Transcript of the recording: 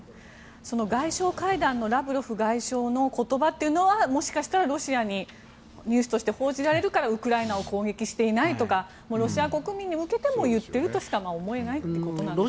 その外相会談のラブロフ外相の言葉というのはもしかしたらロシアにニュースとして報じられるからウクライナを攻撃していないとかロシア国民に向けて言っているとしか思えないってことですね。